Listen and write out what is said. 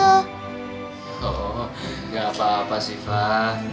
oh gak apa apa sifah